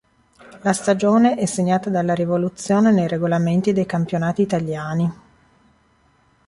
La stagione è segnata dalla rivoluzione nei regolamenti dei Campionati Italiani.